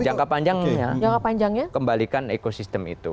jangka panjangnya kembalikan ekosistem itu